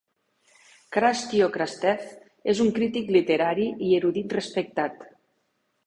Krastyo Krastev és un crític literari i erudit respectat.